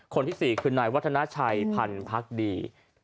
คนที่สี่คือนายวัฒนาชัยพันธ์พรรคดี